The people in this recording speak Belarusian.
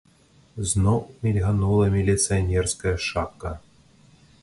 Зноў мільганула міліцыянерская шапка.